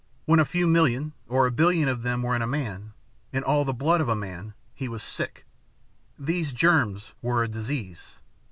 When a few million, or a billion, of them were in a man, in all the blood of a man, he was sick. These germs were a disease.